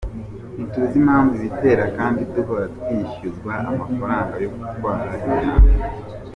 Ntituzi impamvu ibitera kandi duhora twishyuzwa amafaranga yo gutwara imyanda.